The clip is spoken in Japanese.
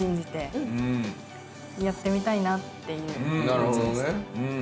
なるほどね